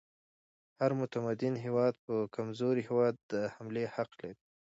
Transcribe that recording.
هر متمدن هیواد پر کمزوري هیواد د حملې حق لري.